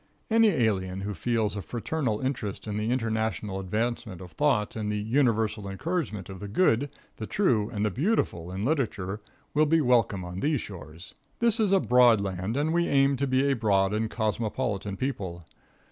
Any alien who feels a fraternal interest in the international advancement of thought and the universal encouragement of the good, the true and the beautiful in literature, will be welcome on these shores. This is a broad land, and we aim to be a broad and cosmopolitan people.